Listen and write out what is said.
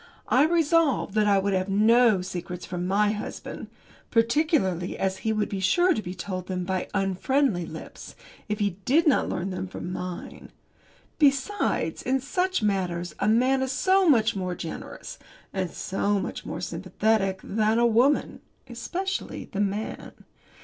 I resolved that I would have no secrets from my husband particularly as he would be sure to be told them by unfriendly lips if he did not learn them from mine. Besides, in such matters, a man is so much more generous, and so much more sympathetic than a woman especially the man.